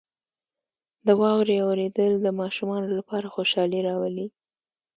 • د واورې اورېدل د ماشومانو لپاره خوشحالي راولي.